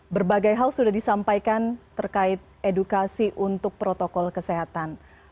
berbagai hal sudah disampaikan terkait edukasi untuk protokol kesehatan